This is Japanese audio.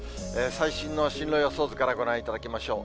最新の進路予想図からご覧いただきましょう。